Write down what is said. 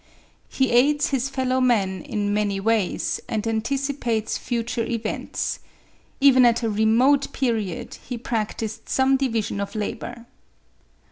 He aids his fellow men in many ways, and anticipates future events. Even at a remote period he practised some division of labour.